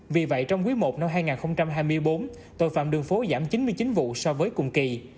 vì vậy trong quý i năm hai nghìn hai mươi bốn tội phạm đường phố giảm chín mươi chín vụ so với cùng kỳ